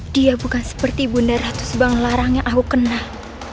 dia bukan seperti ibunda ratus banglarang yang aku kenal